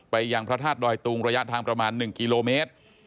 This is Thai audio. ยังพระธาตุดอยตุงระยะทางประมาณ๑กิโลเมตร